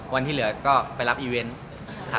วันที่เหลือก็ไปรับอีเวนต์